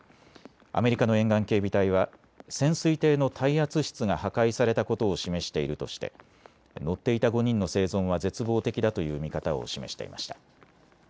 アメリカの沿岸警備隊は潜水艇の耐圧室が破壊されたことを示しているとして乗っていた５人の生存は絶望的だという見方を示していました。